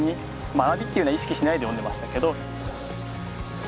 学びっていうのは意識しないで読んでましたけど。